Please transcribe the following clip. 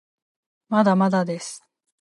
まだまだです